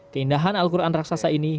keindahan al quran raksasa ini